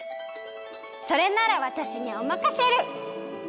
それならわたしにおまかシェル！